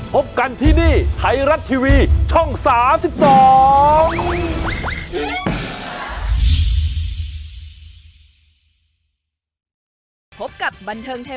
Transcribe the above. พบกันที่นี่ไทยรัฐทีวีช่อง๓๒